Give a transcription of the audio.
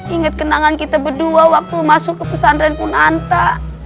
ingat kenangan kita berdua waktu masuk ke pesantren punanta